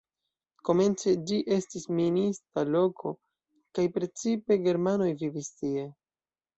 Komence ĝi estis minista loko kaj precipe germanoj vivis tie.